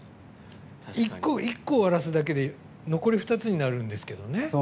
１個終わらすだけで残り２つになるんですけどね。